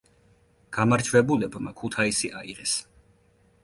გამარჯვებულებმა ქუთაისი აიღეს.